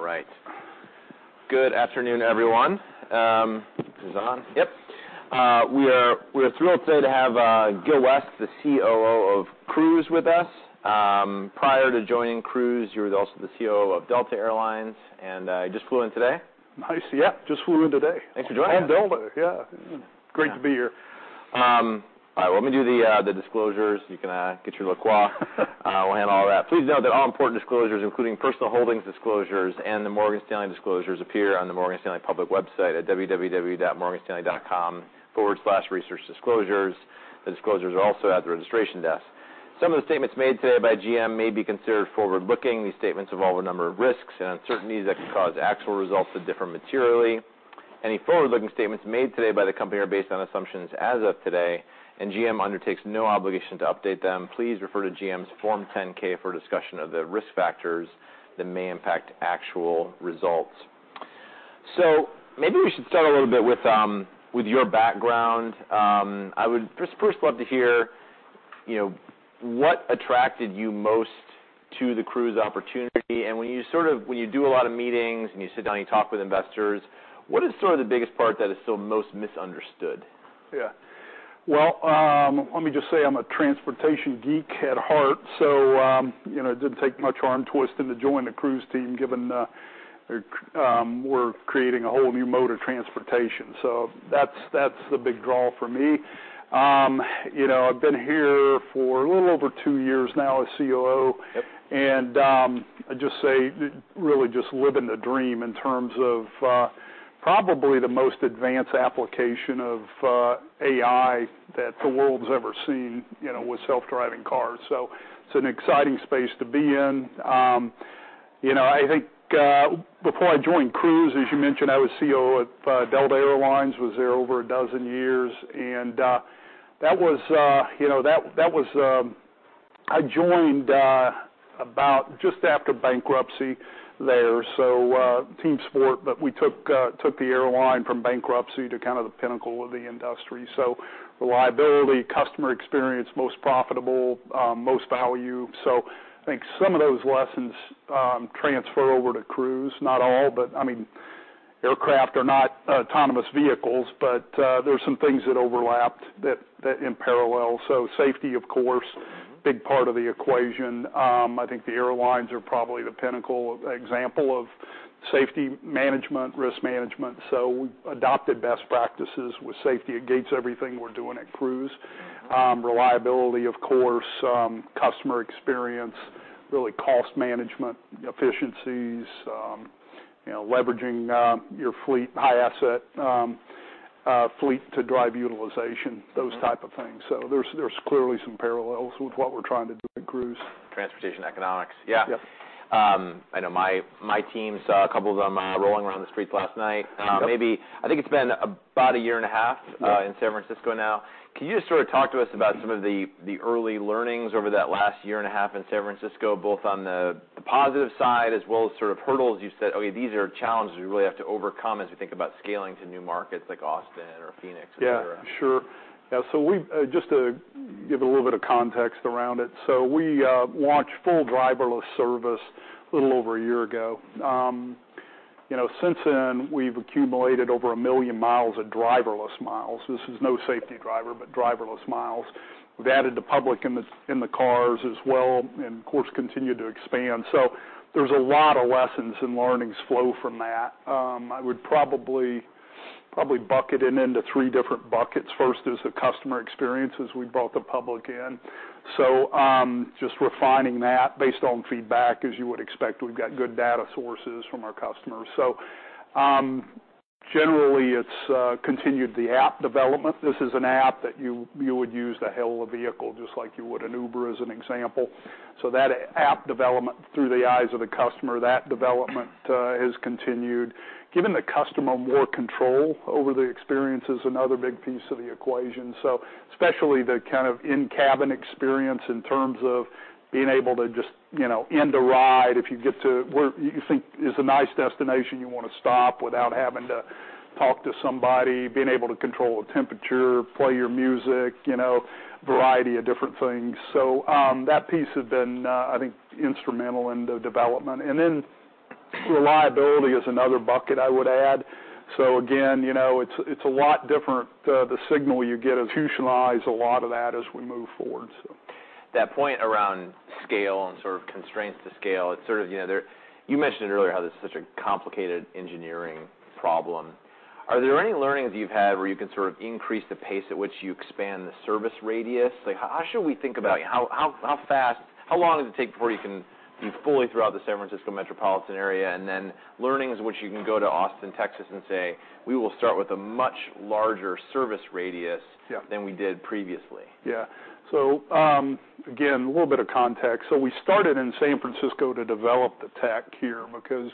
All right. Good afternoon, everyone. This is on? We are thrilled today to have Gil West, the COO of Cruise with us. Prior to joining Cruise, you were also the COO of Delta Air Lines, and just flew in today. Nice. Yeah, just flew in today. Thanks for joining us. I am built. Yeah. Great to be here. All right, well, let me do the disclosures. You can get your LaCroix. We'll handle all that. Please note that all important disclosures, including personal holdings disclosures and the Morgan Stanley disclosures appear on the Morgan Stanley public website at www.morganstanley.com/researchdisclosures. The disclosures are also at the registration desk. Some of the statements made today by GM may be considered forward-looking. These statements involve a number of risks and uncertainties that could cause actual results to differ materially. Any forward-looking statements made today by the company are based on assumptions as of today, and GM undertakes no obligation to update them. Please refer to GM's Form 10-K for a discussion of the risk factors that may impact actual results. Maybe we should start a little bit with your background. I would first love to hear, you know, what attracted you most to the Cruise opportunity. When you do a lot of meetings and you sit down, you talk with investors, what is sort of the biggest part that is still most misunderstood? Yeah. Well, let me just say I'm a transportation geek at heart, so, you know, it didn't take much arm twisting to join the Cruise team given the, we're creating a whole new mode of transportation. That's the big draw for me. You know, I've been here for a little over two years now as COO. Yep. I'd just say really just living the dream in terms of probably the most advanced application of AI that the world's ever seen, you know, with self-driving cars. It's an exciting space to be in. You know, I think, before I joined Cruise, as you mentioned, I was COO at Delta Air Lines, was there over a dozen years, that was, you know, that was, I joined about just after bankruptcy there. Team sport, but we took the airline from bankruptcy to kind of the pinnacle of the industry. Reliability, customer experience, most profitable, most value. I think some of those lessons transfer over to Cruise. Not all, but, I mean, aircraft are not autonomous vehicles, but there are some things that overlapped that in parallel. So Safety, of course big part of the equation. I think the airlines are probably the pinnacle example of safety management, risk management. We adopted best practices with safety. It gates everything we're doing at Cruise. Reliability, of course, customer experience, really cost management efficiencies, you know, leveraging your fleet, high asset, fleet to drive utilization those type of things. There's clearly some parallels with what we're trying to do at Cruise. Transportation economics. Yeah. Yep. I know my team saw a couple of them, rolling around the streets last night. Yep. Maybe, I think it's been about a year and a half- Yeah... in San Francisco now. Can you just sort of talk to us about some of the early learnings over that last year and a half in San Francisco, both on the positive side as well as sort of hurdles you said, "Okay, these are challenges we really have to overcome as we think about scaling to new markets like Austin or Phoenix, et cetera."? Yeah, sure. Yeah, we just to give a little bit of context around it. We launched full driverless service a little over one year ago. You know, since then, we've accumulated over 1 million mi of driverless miles. This is no safety driver, but driverless miles. We've added the public in the cars as well and of course continue to expand. There's a lot of lessons and learnings flow from that. I would probably bucket it into three different buckets. First is the customer experiences. We brought the public in. Just refining that based on feedback. As you would expect, we've got good data sources from our customers. Generally, it's continued the app development. This is an app that you would use to hail a vehicle just like you would an Uber, as an example. That app development through the eyes of the customer, that development has continued. Giving the customer more control over the experience is another big piece of the equation. Especially the kind of in-cabin experience in terms of being able to just, you know, end a ride if you get to where you think is a nice destination, you wanna stop without having to talk to somebody, being able to control the temperature, play your music, you know, variety of different things. That piece has been, I think instrumental in the development. Reliability is another bucket I would add. Again, you know, it's a lot different, the signal you get institutionalize a lot of that as we move forward. That point around scale and sort of constraints to scale, it's sort of, you know, there, you mentioned earlier how this is such a complicated engineering problem. Are there any learnings you've had where you can sort of increase the pace at which you expand the service radius? Like how fast, how long does it take before you can be fully throughout the San Francisco metropolitan area and then learnings which you can go to Austin, Texas, and say, "We will start with a much larger service radius... Yeah... than we did previously"? Again, a little bit of context. We started in San Francisco to develop the tech here because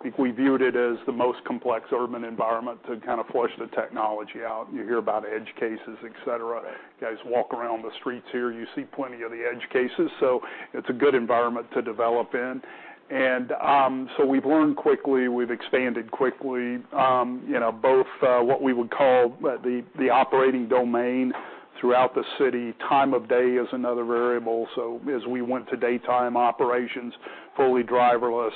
I think we viewed it as the most complex urban environment to kind of flush the technology out. You hear about edge cases, et cetera. You guys walk around the streets here, you see plenty of the edge cases, so it's a good environment to develop in. So we've learned quickly, we've expanded quickly, you know, both what we would call the operating domain throughout the city. Time of day is another variable, so as we went to daytime operations, fully driverless.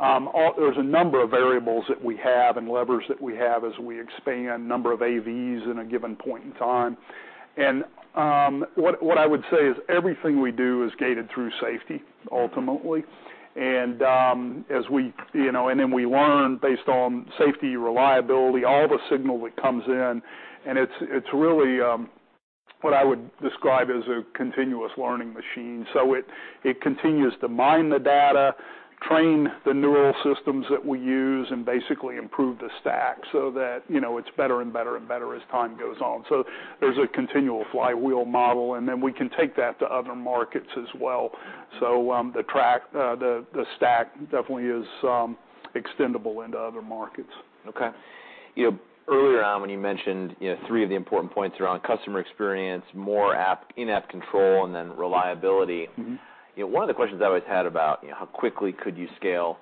There's a number of variables that we have and levers that we have as we expand, number of AVs in a given point in time. What I would say is everything we do is gated through safety, ultimately. As we, you know. Then we learn based on safety, reliability, all the signal that comes in, and it's really what I would describe as a continuous learning machine. It continues to mine the data, train the neural network that we use, and basically improve the stack so that, you know, it's better and better and better as time goes on. There's a continual flywheel model, and then we can take that to other markets as well. The stack definitely is extendable into other markets. Okay. You know, earlier on when you mentioned, you know, 3 of the important points around customer experience, more in-app control and then reliability. Mm-hmm. You know, one of the questions I've always had about, you know, how quickly could you scale,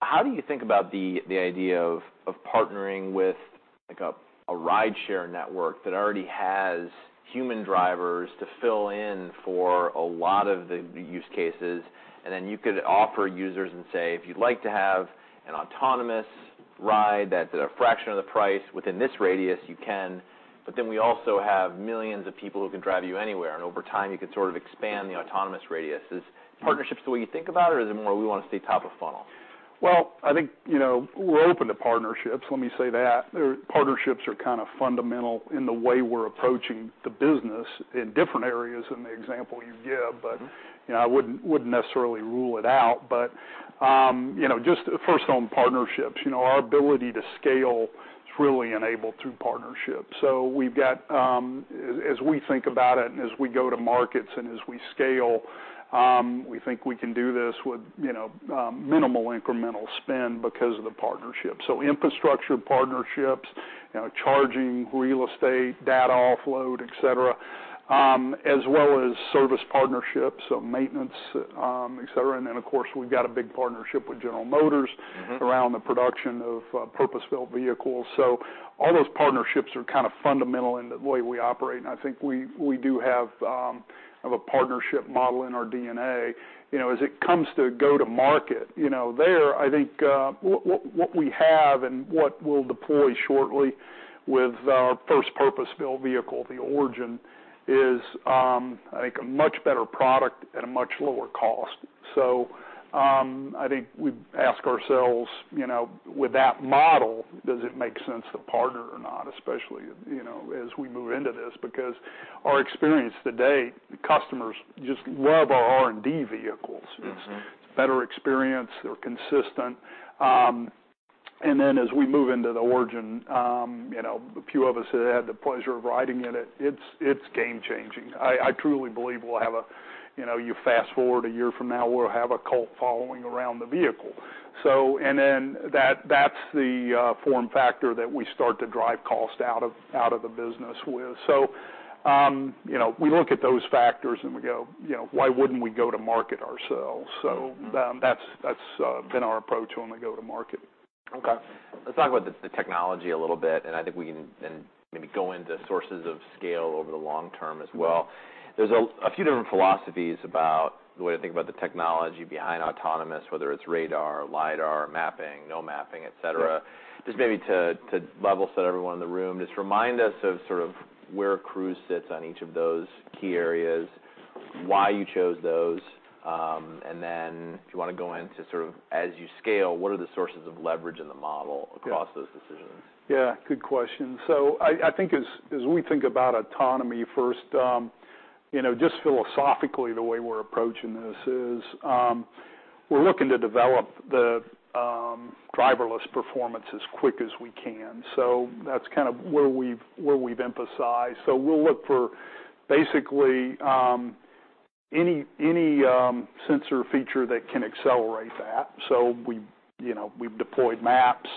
how do you think about the idea of partnering with like a rideshare network that already has human drivers to fill in for a lot of the use cases, you could offer users and say, "If you'd like to have an autonomous ride that's at a fraction of the price within this radius, you can. We also have millions of people who can drive you anywhere, over time you can sort of expand the autonomous radiuses. Is Partnerships the way you think about, or is it more we wanna stay top of funnel? Well, I think, you know, we're open to partnerships, let me say that. Partnerships are kind of fundamental in the way we're approaching the business in different areas than the example you give. You know, I wouldn't necessarily rule it out. You know, just first on partnerships, you know, our ability to scale is really enabled through partnerships. We've got as we think about it and as we go to markets and as we scale, we think we can do this with, you know, minimal incremental spend because of the partnership. Infrastructure partnerships, you know, charging real estate, data offload, et cetera, as well as service partnerships, so maintenance, et cetera. Then, of course, we've got a big partnership with General Motors around the production of purpose-built vehicles. All those partnerships are kind of fundamental in the way we operate, and I think we do have a partnership model in our DNA. You know, as it comes to go to market, you know, there, I think, what we have and what we'll deploy shortly with our first purpose-built vehicle, the Origin, is, I think a much better product at a much lower cost. I think we ask ourselves, you know, with that model, does it make sense to partner or not, especially, you know, as we move into this. Because our experience to date, customers just love our R&D vehicles It's better experience, they're consistent. As we move into the Origin, you know, a few of us have had the pleasure of riding in it's, it's game changing. I truly believe we'll have a, you know, you fast-forward a year from now, we'll have a cult following around the vehicle. That's the form factor that we start to drive cost out of the business with. We look at those factors and we go, you know, "Why wouldn't we go to market ourselves? That's been our approach when we go to market. Okay. Let's talk about the technology a little bit, and I think we can then maybe go into sources of scale over the long term as well. There's a few different philosophies about the way to think about the technology behind autonomous, whether it's radar, lidar, mapping, no mapping, et cetera. Yeah. Just maybe to level set everyone in the room, just remind us of sort of where Cruise sits on each of those key areas, why you chose those, and then if you wanna go into sort of as you scale, what are the sources of leverage in the model. Yeah... across those decisions? Yeah. Good question. I think as we think about autonomy first, you know, just philosophically the way we're approaching this is, we're looking to develop the driverless performance as quick as we can. That's kind of where we've, where we've emphasized. We'll look for basically, any, sensor feature that can accelerate that. We've, you know, we've deployed maps,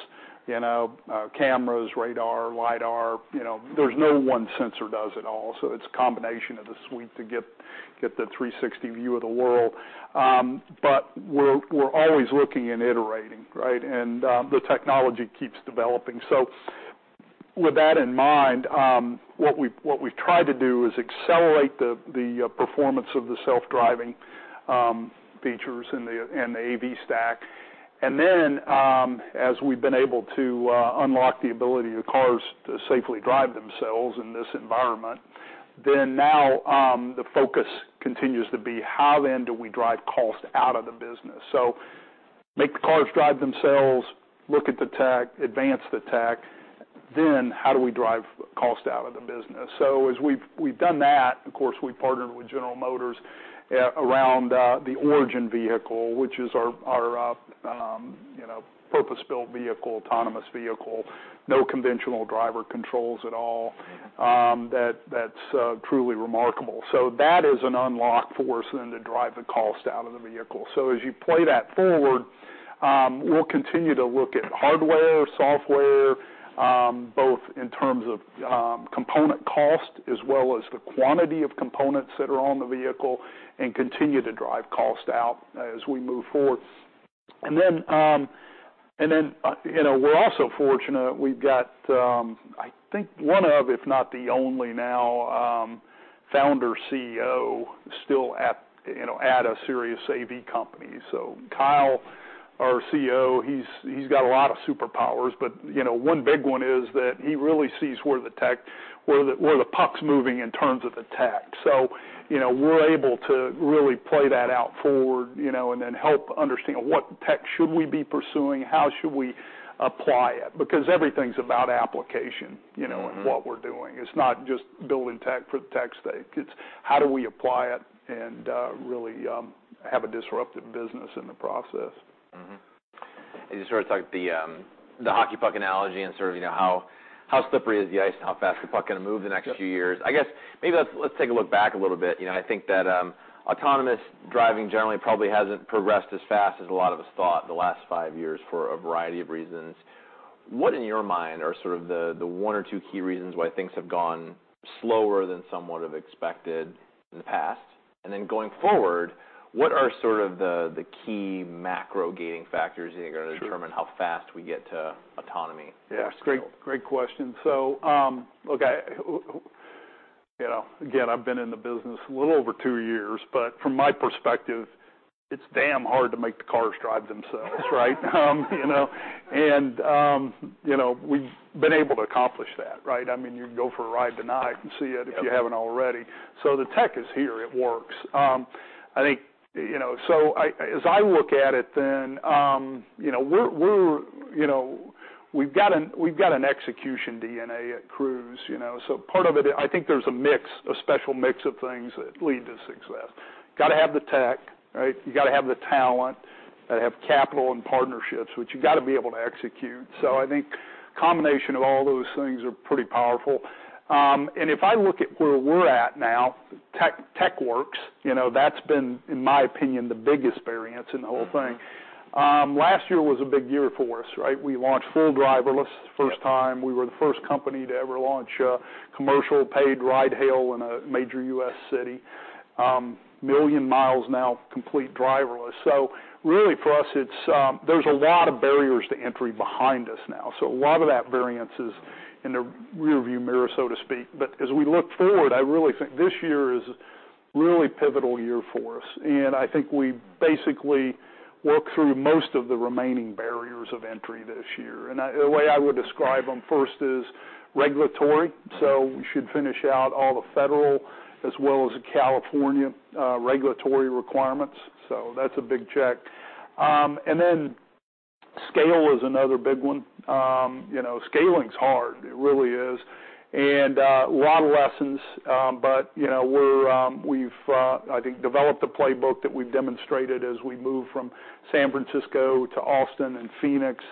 you know, cameras, radar, lidar, you know. There's no one sensor does it all, so it's a combination of the suite to get the 360 view of the world. But we're always looking and iterating, right? The technology keeps developing. With that in mind, what we, what we've tried to do is accelerate the performance of the self-driving features in the AV stack. As we've been able to unlock the ability of cars to safely drive themselves in this environment, then now, the focus continues to be how then do we drive cost out of the business. Make the cars drive themselves, look at the tech, advance the tech, then how do we drive cost out of the business? As we've done that, of course, we've partnered with General Motors around the Origin vehicle, which is our, you know, purpose-built vehicle, autonomous vehicle, no conventional driver controls at all. Mm-hmm. That, that's truly remarkable. That is an unlock for us then to drive the cost out of the vehicle. As you play that forward, we'll continue to look at hardware, software, both in terms of component cost as well as the quantity of components that are on the vehicle, and continue to drive cost out as we move forward. Then, you know, we're also fortunate, we've got, I think one of, if not the only now, Founder CEO still at, you know, at a serious AV company. Kyle, our CEO, he's got a lot of superpowers, but, you know, one big one is that he really sees where the puck's moving in terms of the tech. you know, we're able to really play that out forward, you know, and then help understand what tech should we be pursuing, how should we apply it? Because everything's about application, you knoW in what we're doing. It's not just building tech for tech's sake. It's how do we apply it and really have a disruptive business in the process. Mm-hmm. You sort of talked the hockey puck analogy and sort of, you know, how slippery is the ice and how fast the puck gonna move the next few years? Yeah. I guess maybe let's take a look back a little bit. You know, I think that autonomous driving generally probably hasn't progressed as fast as a lot of us thought the last five years for a variety of reasons. What in your mind are sort of the one or two key reasons why things have gone slower than some would've expected in the past? Going forward, what are sort of the key macro gating factors? Sure determine how fast we get to autonomy? Yeah. Great question. look, I You know, again, I've been in the business a little over two years, but from my perspective, it's damn hard to make the cars drive themselves, right? You know, we've been able to accomplish that, right? I mean, you can go for a ride tonight and see it- Yep... if you haven't already. The tech is here. It works. I think, you know, I, as I look at it, you know, we've got an execution DNA at Cruise, you know. Part of it, I think there's a mix, a special mix of things that lead to success. Gotta have the tech, right? You gotta have the talent. Gotta have capital and partnerships, which you gotta be able to execute. I think combination of all those things are pretty powerful. If I look at where we're at now, tech works. You know, that's been, in my opinion, the biggest variance in the whole thing. Last year was a big year for us, right? We launched full driverless for the first time. We were the first company to ever launch a commercial paid ride-hail in a major US city. 1 million miles now complete driverless. Really for us, it's, there's a lot of barriers to entry behind us now. A lot of that variance is in the rearview mirror, so to speak. As we look forward, I really think this year is really pivotal year for us, and I think we basically work through most of the remaining barriers of entry this year. The way I would describe them first is regulatory. We should finish out all the federal as well as the California regulatory requirements, so that's a big check. Scale is another big one. you know, scaling's hard. It really is. A lot of lessons, but, you know, we're, we've, I think developed a playbook that we've demonstrated as we move from San Francisco to Austin and Phoenix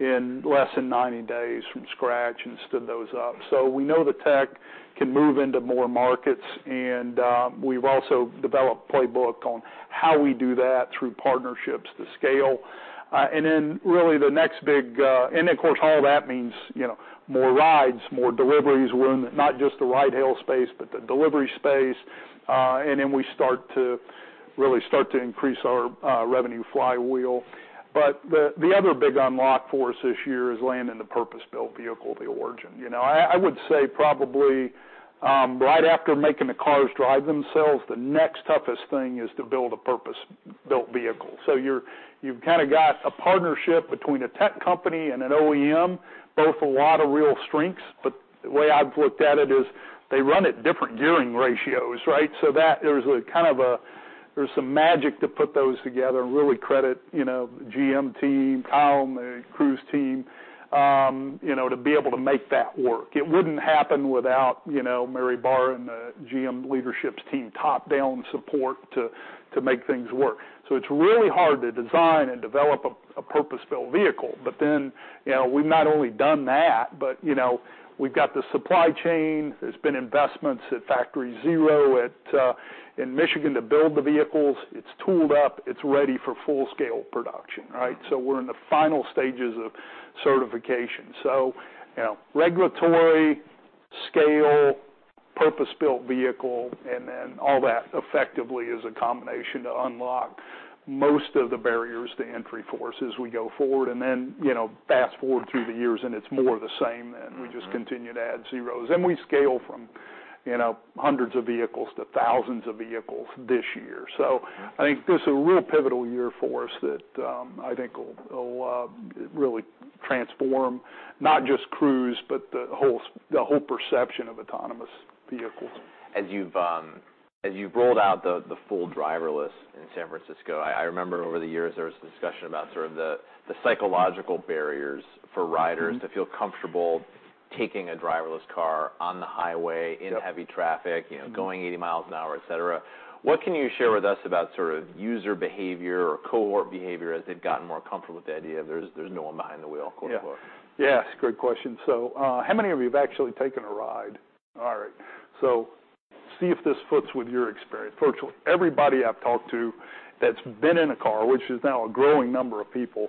in less than 90 days from scratch and stood those up. We know the tech can move into more markets, and, we've also developed playbook on how we do that through partnerships to scale. Really the next big. Of course, all that means, you know, more rides, more deliveries. We're in the, not just the ride-hail space, but the delivery space. We start to really start to increase our revenue flywheel. The other big unlock for us this year is landing the purpose-built vehicle, the Origin. You know, I would say probably, right after making the cars drive themselves, the next toughest thing is to build a purpose-built vehicle. You've kind of got a partnership between a tech company and an OEM, both a lot of real strengths, but the way I've looked at it is they run at different gearing ratios, right? That there's some magic to put those together and really credit, you know, GM team, Kyle and the Cruise team, you know, to be able to make that work. It wouldn't happen without, you know, Mary Barra and the GM leadership's team top-down support to make things work. It's really hard to design and develop a purpose-built vehicle. You know, we've not only done that but, you know, we've got the supply chain. There's been investments at Factory Zero at in Michigan to build the vehicles. It's tooled up. It's ready for full scale production, right? We're in the al stages of certification. You know, regulatory, scale, purpose-built vehicle, and then all that effectively is a combination to unlock most of the barriers to entry for us as we go forward. Then, you know, fast-forward through the years and it's more the same, and we just continue to add zeros. We scale from, you know, hundreds of vehicles to thousands of vehicles this year. I think this is a real pivotal year for us that I think will really transform not just Cruise, but the whole perception of autonomous vehicles. As you've rolled out the full driverless in San Francisco, I remember over the years there was discussion about sort of the psychological barriers for rider to feel comfortable taking a driverless car on the highway- Yep... in heavy traffic, you know, going 80mi an hour, et cetera. Yeah. What can you share with us about sort of user behavior or cohort behavior as they've gotten more comfortable with the idea there's no one behind the wheel, quote unquote? Yeah. Yes. Great question. How many of you have actually taken a ride? All right. See if this fits with your experience. Virtually everybody I've talked to that's been in a car, which is now a growing number of people,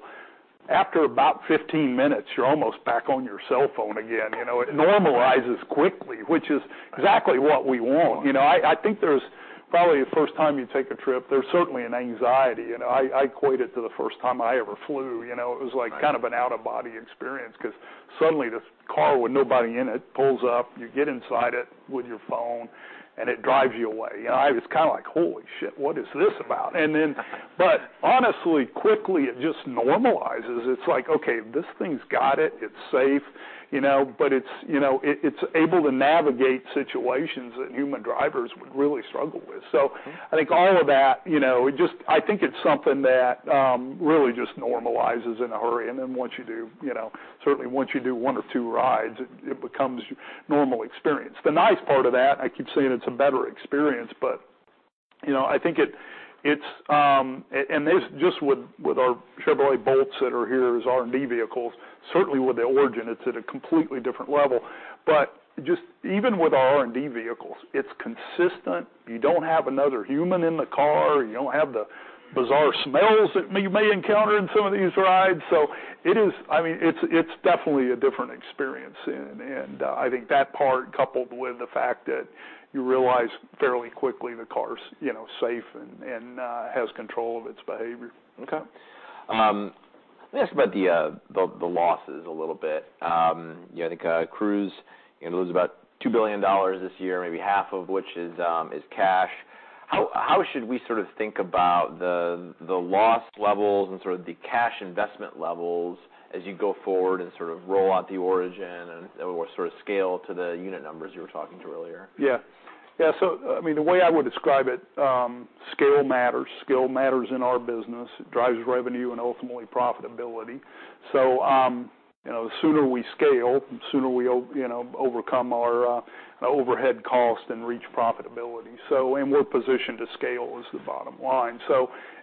after about 15 minutes, you're almost back on your cell phone again. You know, it normalizes quickly, which is exactly what we want. You know, I think there's probably the first time you take a trip, there's certainly an anxiety. You know, I equate it to the first time I ever flew, you know. Right. It was, like, kind of an out-of-body experience 'cause suddenly this car with nobody in it pulls up, you get inside it with your phone, and it drives you away. You know, I was kinda like, "Ho. What is this about?" Honestly, quickly, it just normalizes. It's like, "Okay, this thing's got it. It's safe, you know?" It's, you know, it's able to navigate situations that human drivers would really struggle with. I think all of that, you know, I think it's something that really just normalizes in a hurry. Once you do, you know, certainly once you do one or two rides, it becomes normal experience. The nice part of that, I keep saying it's a better experience, but, you know, I think it's, and this, just with our Chevrolet Bolt that are here as R&D vehicles, certainly with the Origin it's at a completely different level. Just even with our R&D vehicles, it's consistent. You don't have another human in the car. You don't have the bizarre smells that you may encounter in some of these rides. I mean, it's definitely a different experience. I think that part coupled with the fact that you realize fairly quickly the car is, you know, safe and, has control of its behavior. Okay. Let me ask about the losses a little bit. You know, I think Cruise, you know, loses about $2 billion this year, maybe half of which is cash. How should we sort of think about the loss levels and sort of the cash investment levels as you go forward and sort of roll out the Origin and, or sort of scale to the unit numbers you were talking to earlier? Yeah. Yeah. I mean, the way I would describe it, scale matters. Scale matters in our business. It drives revenue and ultimately profitability. You know, the sooner we scale, the sooner we overcome our overhead costs and reach profitability. We're positioned to scale is the bottom line.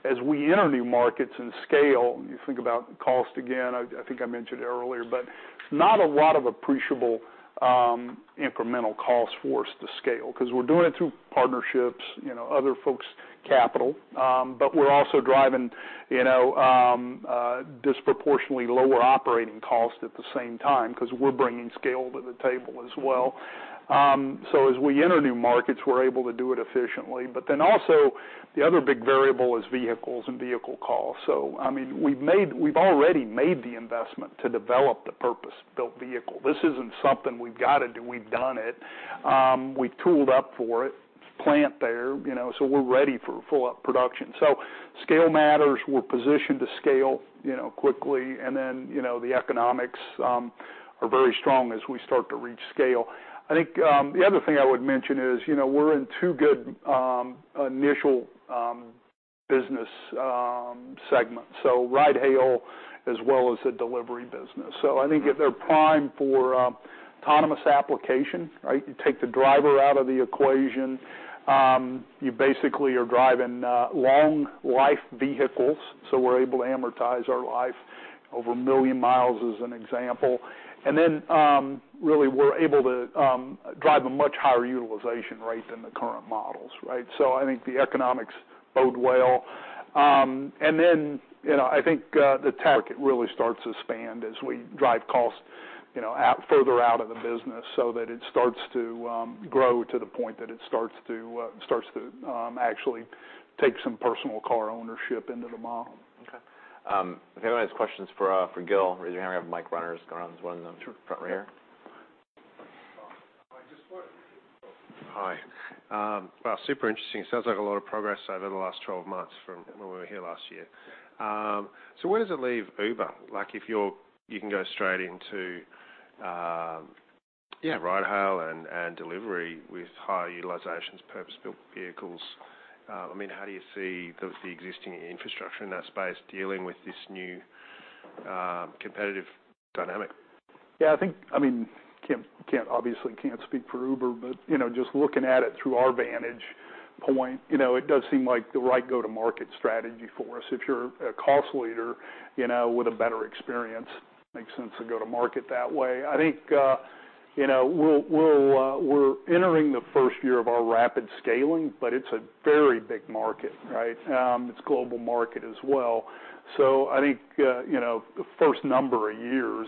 As we enter new markets and scale, you think about cost again, I think I mentioned it earlier, but not a lot of appreciable incremental cost for us to scale, 'cause we're doing it through partnerships, you know, other folks' capital. We're also driving, you know, disproportionately lower operating costs at the same time 'cause we're bringing scale to the table as well. As we enter new markets, we're able to do it efficiently. Also, the other big variable is vehicles and vehicle cost. I mean, we've already made the investment to develop the purpose-built vehicle. This isn't something we've gotta do, we've done it. We tooled up for it. There's a plant there, you know, so we're ready for full out production. Scale matters. We're positioned to scale, you know, quickly. You know, the economics are very strong as we start to reach scale. I think, the other thing I would mention is, you know, we're in two good initial business segments, so ride-hail as well as the delivery business. I think that they're primed for autonomous application, right? You take the driver out of the equation. You basically are driving, long life vehicles, so we're able to amortize our life over 1 million miles, as an example. Really we're able to drive a much higher utilization rate than the current models, right? I think the economics bode well. You know, I think, the tech really starts to expand as we drive costs, you know, out, further out of the business so that it starts to grow to the point that it starts to actually take some personal car ownership into the model. Okay. If anyone has questions for Gil. Raise your hand. We have mic runners going around, so one of them. Sure front right here. Hi. Well, super interesting. It sounds like a lot of progress over the last 12 months from when we were here last year. Where does it leave Uber? Like, if you can go straight into, yeah, ride-hail and delivery with high utilizations purpose-built vehicles. I mean, how do you see the existing infrastructure in that space dealing with this new competitive dynamic? Yeah, I think, I mean, can't obviously speak for Uber. You know, just looking at it through our vantage point, you know, it does seem like the right go-to-market strategy for us. If you're a cost leader, you know, with a better experience, makes sense to go to market that way. I think, you know, we'll we're entering the first year of our rapid scaling, but it's a very big market, right? It's a global market as well. I think, you know, the first number of years,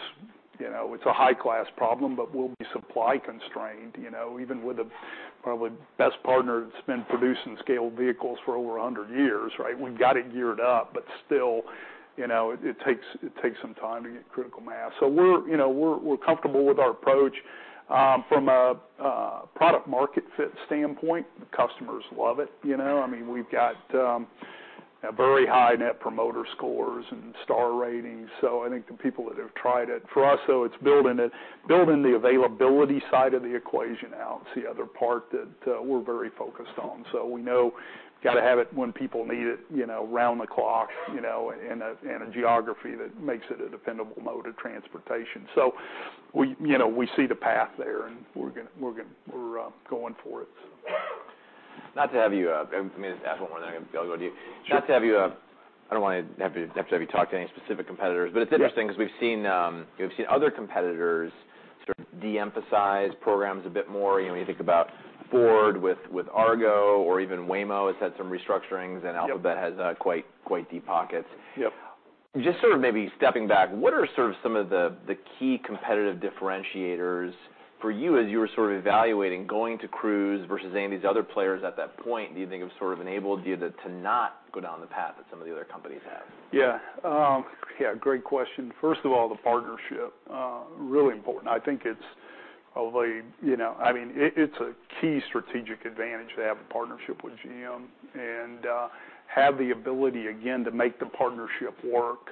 you know, it's a high-class problem, but we'll be supply constrained, you know. Even with the probably best partner that's been producing scaled vehicles for over 100 years, right? We've got it geared up, but still, you know, it takes some time to get critical mass. We're, you know, we're comfortable with our approach. From a product market fit standpoint, the customers love it, you know. I mean, we've got, you know, very high Net Promoter Score and star ratings, so I think the people that have tried it. For us, though, it's building the availability side of the equation out is the other part that we're very focused on. We know we've gotta have it when people need it, you know, round the clock, you know, in a geography that makes it a dependable mode of transportation. We, you know, we see the path there, and we're gonna, we're going for it. Not to have you, I mean, ask one more and then, Gil, I'll go to you. Sure. Not to have you, I don't wanna have you talk to any specific competitors. Yeah... but it's interesting 'cause we've seen other competitors sort of de-emphasize programs a bit more. You know, when you think about Ford with Argo, or even Waymo has had some restructurings. Yep... and Alphabet has, quite deep pockets. Yep. Just sort of maybe stepping back, what are sort of some of the key competitive differentiators for you as you were sort of evaluating going to Cruise versus any of these other players at that point, do you think have sort of enabled you to not go down the path that some of the other companies have? Yeah, great question. First of all, the partnership, really important. I think it's probably, you know, I mean, it's a key strategic advantage to have a partnership with GM, and have the ability, again, to make the partnership work,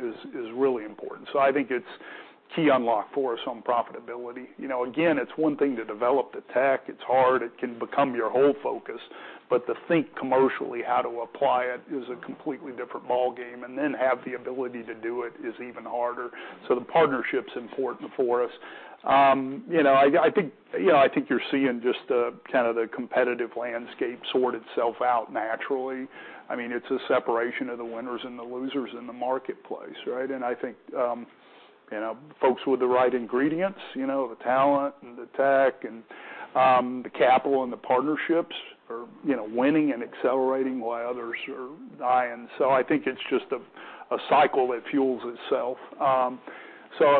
is really important. I think it's key unlock for us on profitability. You know, again, it's one thing to develop the tech. It's hard. It can become your whole focus. To think commercially how to apply it is a completely different ballgame, and then have the ability to do it is even harder. The partnership's important for us. You know, I think, you know, I think you're seeing just the kind of the competitive landscape sort itself out naturally. I mean, it's a separation of the winners and the losers in the marketplace, right? I think, you know, folks with the right ingredients, you know, the talent and the tech and the capital and the partnerships are, you know, winning and accelerating while others are dying. I think it's just a cycle that fuels itself.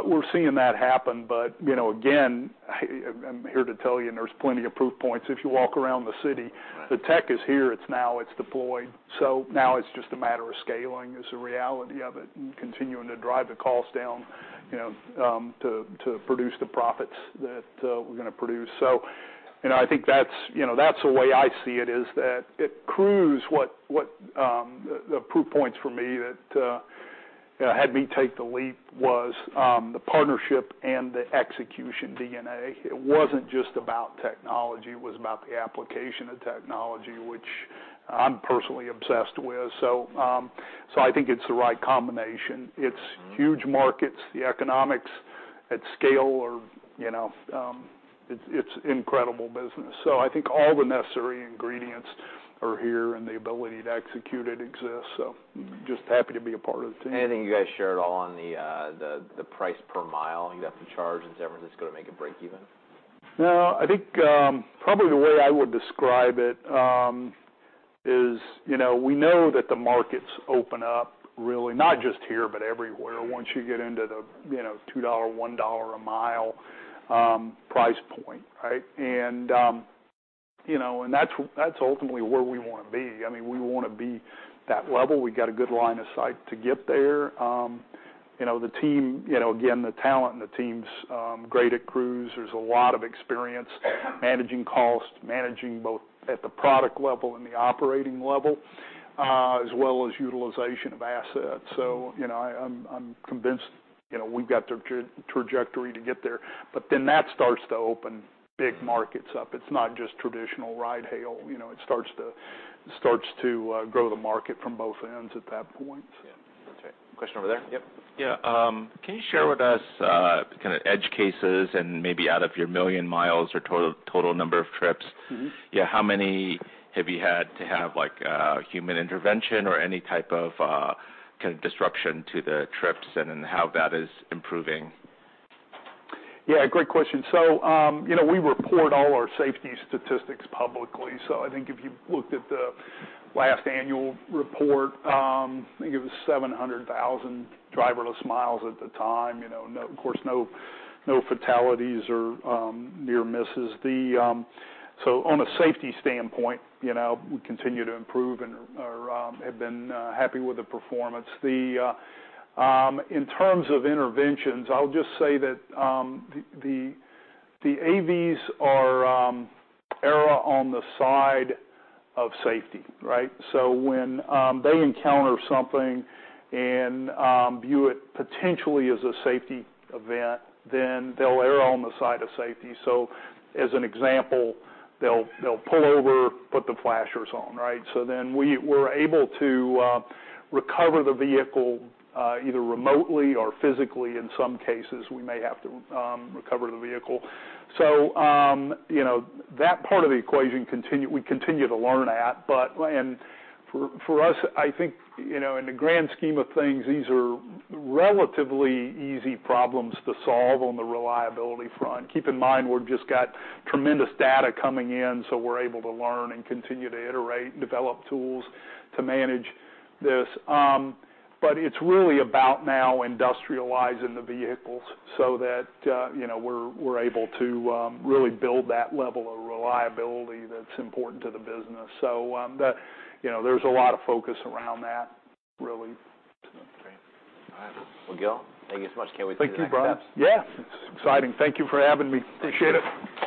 We're seeing that happen. You know, again, I'm here to tell you, and there's plenty of proof points, if you walk around the city. Right the tech is here. It's now, it's deployed, now it's just a matter of scaling is the reality of it, and continuing to drive the costs down, you know, to produce the profits that, we're gonna produce. You know, I think that's, you know, that's the way I see it, is that at Cruise, what the proof points for me that, you know, had me take the leap was, the partnership and the execution DNA. It wasn't just about technology, it was about the application of technology, which I'm personally obsessed with. I think it's the right combination. It's huge markets. The economics at scale are, you know, it's incredible business. I think all the necessary ingredients are here, and the ability to execute it exists, so just happy to be a part of the team. Anything you guys shared all on the price per mile you'd have to charge in Denver that's gonna make it breakeven? No. I think, probably the way I would describe it, is, you know, we know that the markets open up really not just here, but everywhere. Right... once you get into the, you know, $2, $1 a mile price point, right? You know, that's ultimately where we wanna be. I mean, we wanna be that level. We got a good line of sight to get there. You know, the team, you know, again, the talent and the team's great at Cruise. There's a lot of experience managing cost, managing both at the product level and the operating level, as well as utilization of assets. You know, I'm convinced, you know, we've got the trajectory to get there. That starts to open big markets up. It's not just traditional ride-hail, you know, it starts to grow the market from both ends at that point. Yeah. That's right. Question over there. Yep. Yeah. can you share with us, kinda edge cases and maybe out of your 1 million miles or total number of trips-yeah, how many have you had to have, like, human intervention or any type of, kind of disruption to the trips and then how that is improving? Yeah, great question. You know, we report all our safety statistics publicly. I think if you looked at the last annual report, I think it was 700,000 driverless miles at the time. You know, no, of course, no fatalities or near misses. On a safety standpoint, you know, we continue to improve and, or, have been happy with the performance. In terms of interventions, I'll just say that the AVs are err on the side of safety, right? When they encounter something and view it potentially as a safety event, they'll err on the side of safety. As an example, they'll pull over, put the flashers on, right? We're able to recover the vehicle either remotely or physically. In some cases, we may have to recover the vehicle. You know, that part of the equation continue, we continue to learn at. For us, I think, you know, in the grand scheme of things, these are relatively easy problems to solve on the reliability front. Keep in mind we've just got tremendous data coming in, so we're able to learn and continue to iterate and develop tools to manage this. It's really about now industrializing the vehicles so that, you know, we're able to really build that level of reliability that's important to the business. You know, there's a lot of focus around that really. Okay. All right. Well, Gil, thank you so much. Can we do the next steps? Thank you, Brian. Yeah. It's exciting. Thank you for having me. Appreciate it.